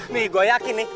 nih gua yakin nih